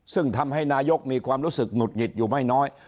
ซึ่งทำให้นายกมีความรู้สึกหงุดหงิดอยู่ไม่น้อย